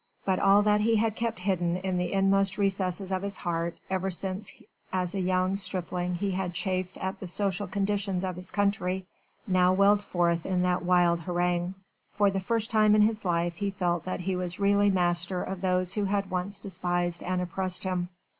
But all that he had kept hidden in the inmost recesses of his heart, ever since as a young stripling he had chafed at the social conditions of his country, now welled forth in that wild harangue. For the first time in his life he felt that he was really master of those who had once despised and oppressed him.